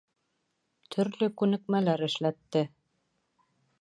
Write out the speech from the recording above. Төрлө күнекмәләр эшләтте.